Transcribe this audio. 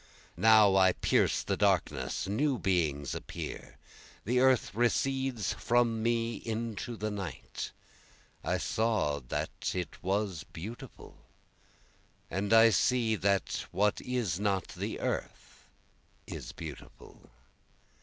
Now I pierce the darkness, new beings appear, The earth recedes from me into the night, I saw that it was beautiful, and I see that what is not the earth is beautiful.